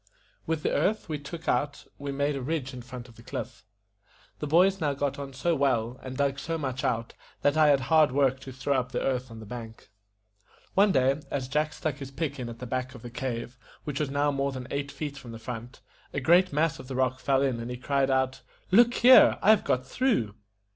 With the earth we took out we made a ridge in front of the cliff. The boys now got on so well, and dug so much out, that I had hard work to throw up the earth on the bank. One day, as Jack stuck his pick in at the back of the cave, which was now more than eight feet from the front, a great mass of the rock fell in, and he cried out, "Look here! I have got through."